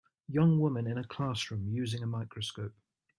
Young women in a classroom using a microscope.